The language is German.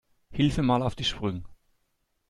Hilf mir mal auf die Sprünge.